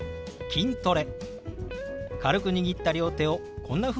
「筋トレ」。